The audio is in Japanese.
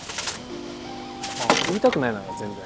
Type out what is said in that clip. あ言いたくないなら全然。